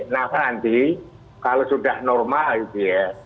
nah nanti kalau sudah normal gitu ya